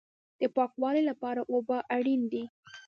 د پاکوالي لپاره اوبه اړین دي